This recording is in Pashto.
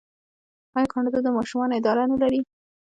آیا کاناډا د ماشومانو اداره نلري؟